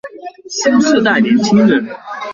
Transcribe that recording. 新世代年輕人